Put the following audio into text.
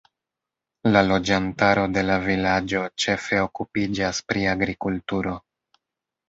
La loĝantaro de la vilaĝo ĉefe okupiĝas pri agrikulturo.